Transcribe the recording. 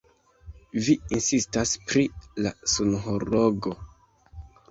Vi insistas pri la sunhorloĝo.